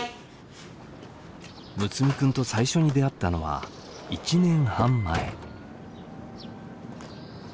睦弥君と最初に出会ったのは１年半前。